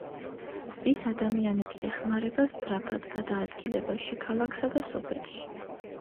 ის ადამიანებს ეხმარება სწრაფად გადაადგილებაში ქალაქსა და სოფელში.